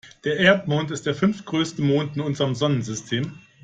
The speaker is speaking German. Der Erdmond ist der fünftgrößte Mond in unserem Sonnensystem.